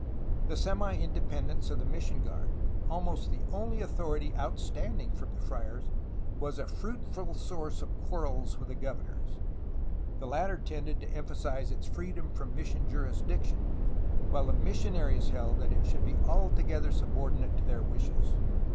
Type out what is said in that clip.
The semi independence of the mission guard, almost the only authority outstanding from the friars, was a fruitful source of quarrels with the governors; the latter tended to emphasize its freedom from mission jurisdiction, while the missionaries held that it should be altogether subordinate to their wishes.